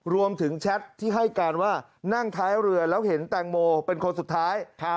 แชทที่ให้การว่านั่งท้ายเรือแล้วเห็นแตงโมเป็นคนสุดท้าย